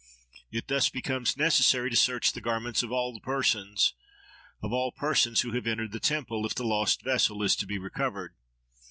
It thus becomes necessary to search the garments of all persons who have entered the temple, if the lost vessel is to be recovered.